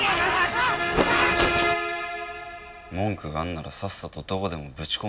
文句があんならさっさとどこでもぶち込めよ。